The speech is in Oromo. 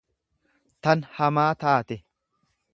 tan hamaa taate.